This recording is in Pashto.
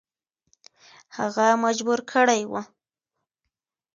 هغه مجبور کړی وو.